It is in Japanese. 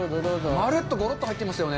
丸っと、ごろっと入ってますよね。